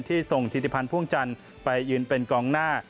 ส่งธิติพันธ์พ่วงจันทร์ไปยืนเป็นกองหน้า